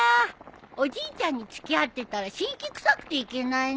おじいちゃんに付き合ってたら辛気くさくていけないね。